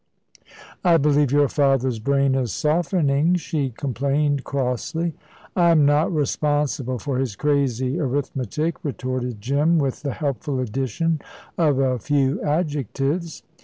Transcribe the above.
"I believe your father's brain is softening," she complained crossly. "I'm not responsible for his crazy arithmetic," retorted Jim, with the helpful addition of a few adjectives.